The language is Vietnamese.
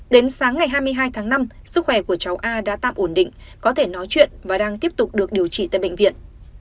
đến sáng ngày hai mươi hai tháng năm sức khỏe của cháu a đã tạm ổn định có thể nói chuyện và đang tiếp tục được điều trị tại bệnh viện